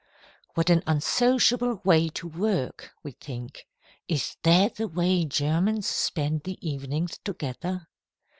"What an unsociable way to work," we think. "Is that the way Germans spend the evenings together?"